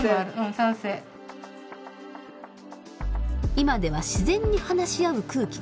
今では自然に話し合う空気が生まれ